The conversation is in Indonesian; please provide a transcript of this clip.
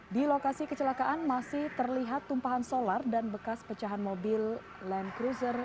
di lokasi kecelakaan masih terlihat tumpahan solar dan bekas pecahan mobil land cruiser